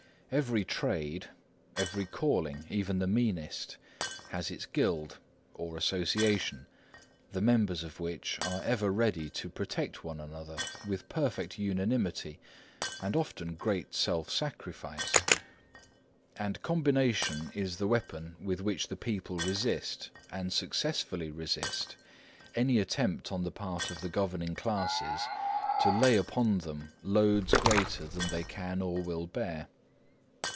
Every trade, every calling, even the meanest, has its guild, or association, the members of which are ever ready to protect one another with perfect unanimity, and often great self sacrifice. And combination is the weapon with which the people resist, and successfully resist, any attempt on the part of the governing classes to lay upon them loads greater than they can or will bear.